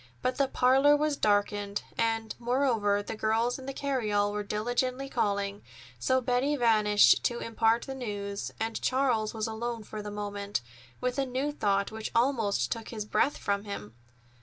But the parlor was darkened, and, moreover, the girls in the carryall were diligently calling; so Betty vanished to impart the news, and Charles was alone for the moment, with a new thought, which almost took his breath from him.